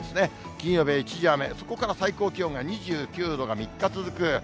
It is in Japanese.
金曜日は一時雨、そこから最高気温が２９度が３日続く。